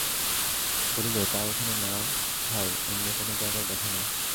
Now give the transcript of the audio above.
বলিল, তা ওখানে না হয়, অন্য কোন জায়গায় দেখো না?